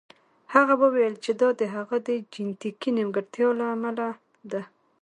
هغه وویل چې دا د هغه د جینیتیکي نیمګړتیا له امله ده